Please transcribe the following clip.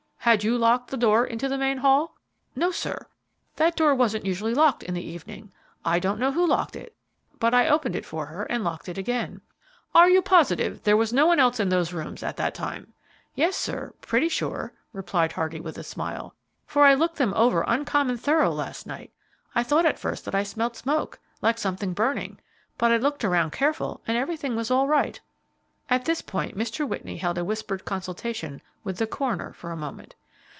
"Had you locked the door into the main hall?" "No, sir; that door wasn't usually locked in the evening. I don't know who locked it, but I opened it for her and then locked it again." "Are you positive there was no one else in those rooms at that time?" "Yes, sir, pretty sure," replied Hardy, with a smile, "for I looked them over uncommon thorough last night. I thought at first that I smelled smoke, like something burning, but I looked around careful and everything was all right." At this point Mr. Whitney held a whispered consultation with the coroner for a moment.